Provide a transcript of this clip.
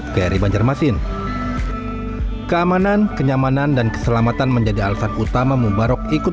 kri banjarmasin keamanan kenyamanan dan keselamatan menjadi alasan utama mubarok ikut